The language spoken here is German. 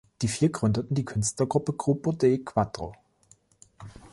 Die vier gründeten die Künstlergruppe “"Gruppo dei Quattro"”.